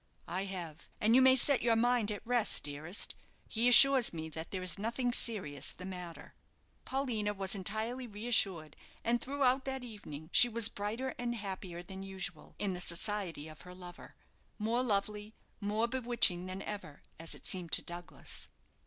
"I have; and you may set your mind at rest, dearest. He assures me that there is nothing serious the matter." Paulina was entirely reassured, and throughout that evening she was brighter and happier than usual in the society of her lover more lovely, more bewitching than ever, as it seemed to Douglas.